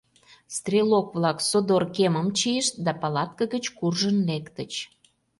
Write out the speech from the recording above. Стрелок-влак содор кемым чийышт да палатке гыч куржын лектыч.